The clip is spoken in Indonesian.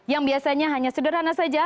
yang biasanya hanya sederhana saja